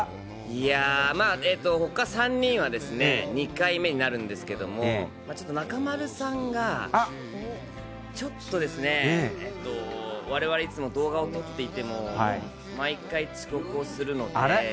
いやー、まあ、ほか３人はですね、２回目になるんですけれども、ちょっと中丸さんが、ちょっとですね、われわれいつも動画を撮っていても、毎回遅刻をするので。